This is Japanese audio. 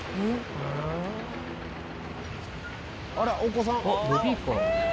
あらお子さん。